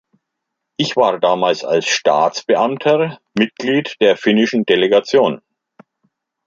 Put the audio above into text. Ich war damals als Staatsbeamter Mitglied der finnischen Delegation.